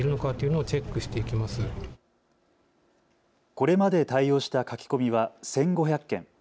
これまで対応した書き込みは１５００件。